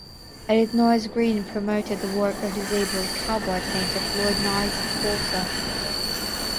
Edith Noyes Greene promoted the work of disabled "cowboy" painter Floyd Niles Walser.